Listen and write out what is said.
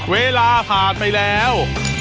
เวลาผ่านไปแล้ว